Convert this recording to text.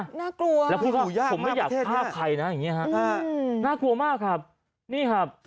หูยากมากประเทศแล้วคิดว่าผมไม่อยากฆ่าใครนะน่ากลัวมากครับ